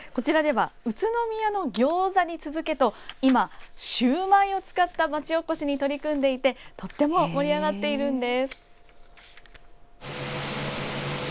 宇都宮のギョーザに続けと、今シューマイを使った町おこしに取り組んでいてとても盛り上がっているんです。